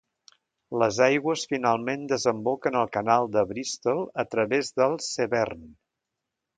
Les aigües finalment desemboquen al canal de Bristol a través del Severn.